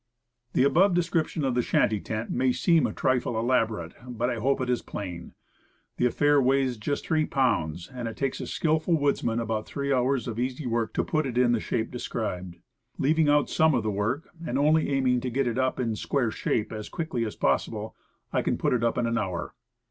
The above description of the shanty tent may seem a trifle elaborate, but I hope it is plain. The affair weighs j ust three pounds, and it takes a skillful woods man about three hours of easy work to put it in the How It Looks. 35 shape described. Leaving out some of the work, and only aiming to get it up in square shape as quickly as possible, I can put it up in an hour.